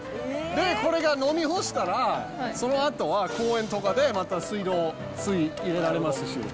で、これが飲み干したら、そのあとは公園とかでまた水道水、入れられますし。